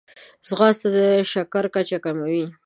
ځغاسته د شکر کچه کموي